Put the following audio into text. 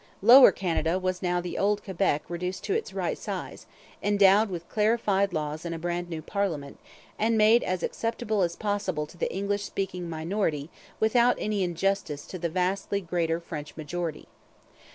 Lower Canada was now the old Quebec reduced to its right size, endowed with clarified laws and a brand new parliament, and made as acceptable as possible to the English speaking minority without any injustice to the vastly greater French majority.